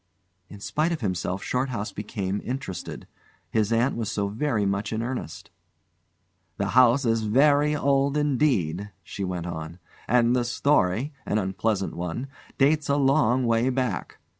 In spite of himself Shorthouse became interested. His aunt was so very much in earnest. "The house is very old indeed," she went on, "and the story an unpleasant one dates a long way back.